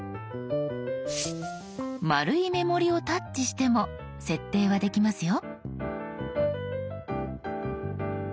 丸い目盛りをタッチしても設定はできますよ。